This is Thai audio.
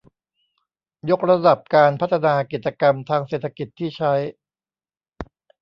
ยกระดับการพัฒนากิจกรรมทางเศรษฐกิจที่ใช้